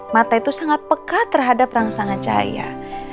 mata itu sangat pekat terhadap rangsa ngacah ayah